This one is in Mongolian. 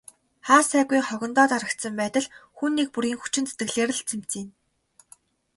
Хаа сайгүй хогондоо дарагдсан байдал хүн нэг бүрийн хүчин зүтгэлээр л цэмцийнэ.